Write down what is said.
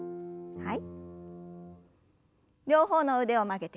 はい。